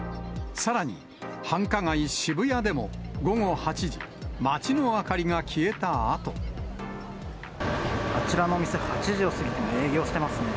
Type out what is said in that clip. さらに、繁華街、渋谷でも午後８時、あちらのお店、８時を過ぎても営業してますね。